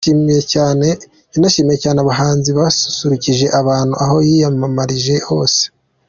Yanashimiye cyane abahanzi basusurukije abantu aho yiyamamarije hose.